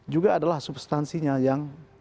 juga adalah substansinya yang